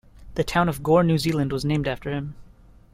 The town of Gore, New Zealand was named after him.